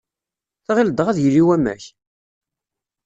Tɣilleḍ dɣa ad yili wamek?